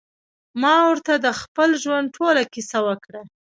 ما ورته د خپل ژوند ټوله کيسه وکړه.